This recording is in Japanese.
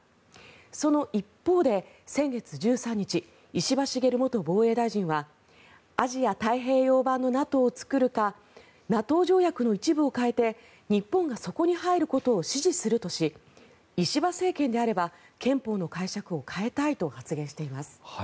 その一方で先月１３日石破茂元防衛大臣はアジア太平洋版のＮＡＴＯを作るかＮＡＴＯ条約の一部を変えて日本がそこに入ることを支持するとし、石破政権であれば憲法の解釈を変えたいと発言しています。